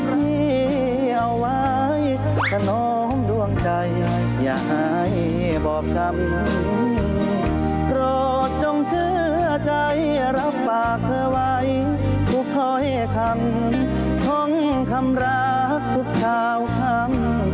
ทุกข้อให้ทำท้องคำรักทุกข่าวทำ